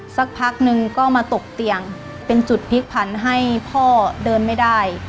สักพักนึงก็มาตกเตียงเป็นจุดพลิกผันให้พ่อเดินไม่ได้